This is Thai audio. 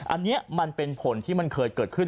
อันนี้มันเป็นผลที่มันเคยเกิดขึ้น